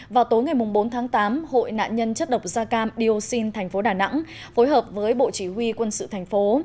vào tối ngày mùng bốn tháng tám hội nạn nhân chất độc gia cam điêu sinh tp đà nẵng phối hợp với bộ chỉ huy quân sự thành phố